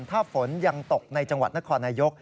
ถ้าฝนยังตกในจังหวัดนครนายก